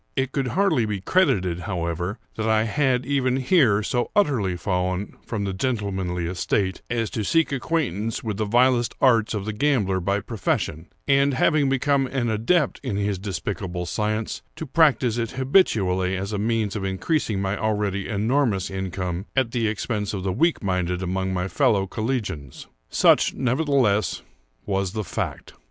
It could hardly be credited, however, that I had, even here, so utterly fallen from the gentlemanly estate, as to seek acquaintance with the vilest arts of the gambler by profession, and, having become an adept in his despicable science, to practise it habitually as a means of increasing my already enormous income at the expense of the weak minded among my fellow collegians. Such, nevertheless, was the fact.